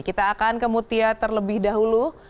kita akan ke mutia terlebih dahulu